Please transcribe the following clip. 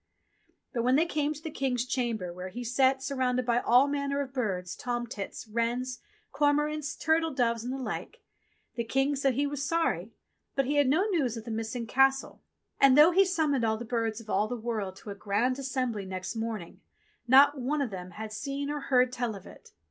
But when they came to the King's chamber, where he sate surrounded by all manner of birds, tomtits, wrens, cormorants, turtle doves, and the like, the King said he was sorry, but he THE GOLDEN SNUFF BOX 49 had no news of the missing Castle. And though he summoned all the birds of all the world to a Grand Assembly next morn ing, not one of them had seen or heard tell of it.